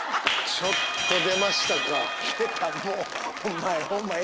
ちょっと出ましたね。